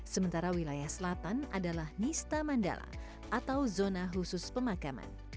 sementara wilayah selatan adalah nista mandala atau zona khusus pemakaman